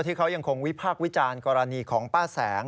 ที่เขายังคงวิพากษ์วิจารณ์กรณีของป้าแสง